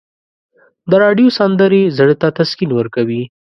د راډیو سندرې زړه ته تسکین ورکوي.